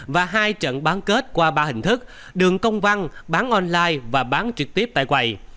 và hai trận bán kết qua ba hình thức đường công văn bán online và bán trực tiếp tại quầy